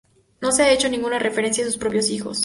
No se ha hecho ninguna referencia a sus propios hijos.